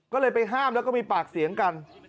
ก็เลยไปห้ามแล้วก็มีปากเสียงกัน